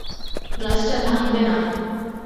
গ্লাসটা ভাঙবে না।